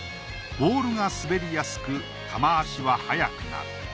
ボールがすべりやすく球足は速くなる。